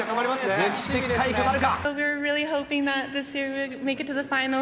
歴史的快挙となるか。